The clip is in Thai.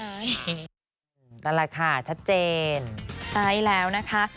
นั่นแหละค่ะชัดเจนใช่แล้วนะคะ